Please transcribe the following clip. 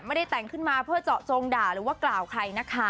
ไม่ได้แต่งขึ้นมาเพื่อเจาะจงด่าหรือว่ากล่าวใครนะคะ